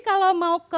kalau mau kepencetan